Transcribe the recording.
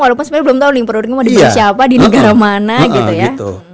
walaupun sebenarnya belum tahu nih perutnya mau diberi siapa di negara mana gitu ya